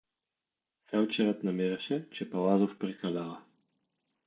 Фелдшерът намираше, че Палазов прекалява.